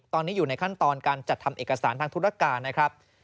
ตอนนี้อยู่ในขั้นตอนการจัดทำเอกสารทางธุรการนะครับ